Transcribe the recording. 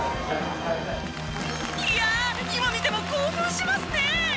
いやあ今見ても興奮しますね！